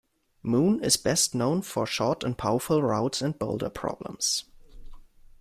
Moon is best known for short and powerful routes and boulder problems.